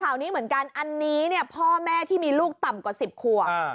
ข่าวนี้เหมือนกันอันนี้เนี่ยพ่อแม่ที่มีลูกต่ำกว่า๑๐ขวบ